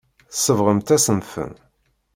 Tsebɣemt-asen-ten.